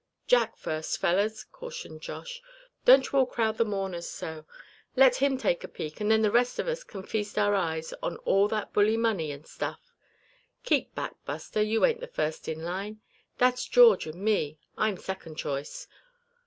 "Jack first, fellers!" cautioned Josh, "don't you all crowd the mourners so. Let him take a peek, and then the rest of us c'n feast our eyes on all that bully money and stuff. Keep back, Buster, you ain't the first in line; that's George, and me, I'm second choice.